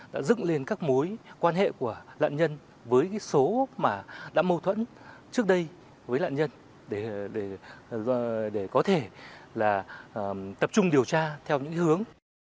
đồng thời chúng tôi đã tập trung điều tra theo những hướng